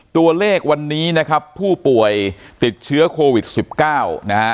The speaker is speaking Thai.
ตัวเลขวันนี้นะครับผู้ป่วยติดเชื้อโควิด๑๙นะฮะ